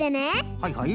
はいはい。